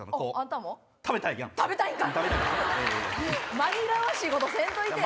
紛らわしいことせんといてよ！